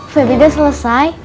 feby udah selesai